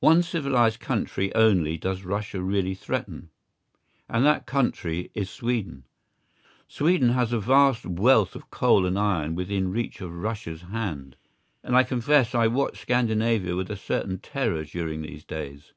One civilised country only does Russia really "threaten," and that country is Sweden. Sweden has a vast wealth of coal and iron within reach of Russia's hand. And I confess I watch Scandinavia with a certain terror during these days.